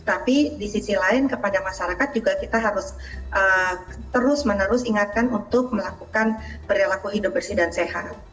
tapi di sisi lain kepada masyarakat juga kita harus terus menerus ingatkan untuk melakukan perilaku hidup bersih dan sehat